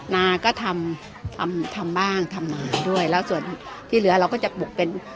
นาก็ทำทำบ้างทำมาด้วยแล้วส่วนที่เหลือเราก็จะบุกเป็น